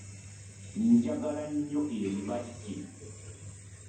Njagala nnyo ebibajje.